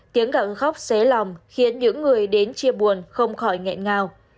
tiếng gặng khóc xế lòng khiến những người đến chia buồn không khỏi nghẹn ngào